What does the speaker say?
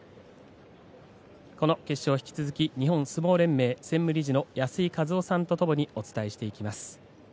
この決勝、引き続き日本相撲連盟専務理事の安井和男さんとお伝えしていきます。